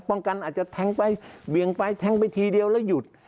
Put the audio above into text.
ป้องกันอาจจะแทงไปเวียงไปแทงไปทีเดียวแล้วหยุด